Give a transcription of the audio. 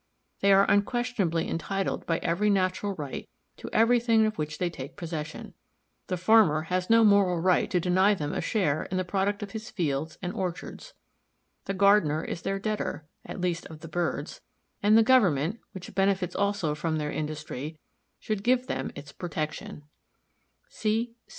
They are unquestionably entitled by every natural right to everything of which they take possession. The farmer has no moral right to deny them a share in the product of his fields and orchards; the gardener is their debtor (at least of the birds), and the government, which benefits also from their industry, should give them its protection.